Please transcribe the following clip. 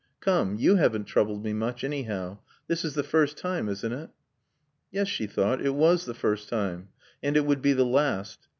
"Come, you haven't troubled me much, anyhow. This is the first time, isn't it?" Yes, she thought, it was the first time. And it would be the last.